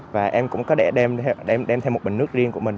và em cũng có để đem theo một bình nước riêng của mình